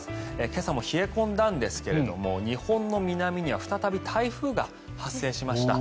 今朝も冷え込んだんですけれど日本の南には再び台風が発生しました。